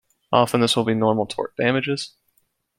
Often this will be normal tort damages.